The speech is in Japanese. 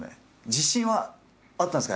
自信はあったんですか？